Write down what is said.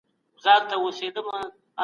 بکا خپله ګناه منلې ده.